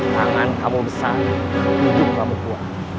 tangan kamu besar ujung kamu kuat